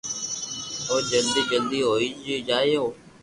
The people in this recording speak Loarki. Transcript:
تو جلدو جلدو ھوئي جائيو